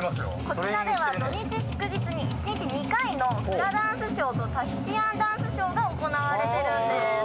こちらでは土日祝日に１日２回のフラダンスショーとタヒチアンダンスショーが行われてるんです。